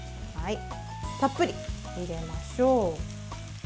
たっぷり入れましょう。